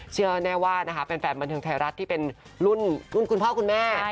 เชื่อแน่ว่านะคะแฟนบันเทิงไทยรัฐที่เป็นรุ่นคุณพ่อคุณแม่